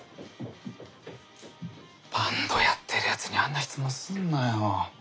バンドやってるやつにあんな質問すんなよ。